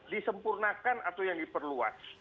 disempurnakan atau yang diperluas